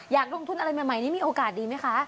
อยากลงทุนอะไรใหม่นี้มีโอกาสดีไหมคะ